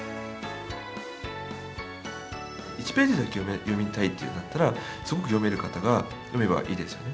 「１ページだけ読みたい」っていうんだったらすごく読める方が読めばいいですよね。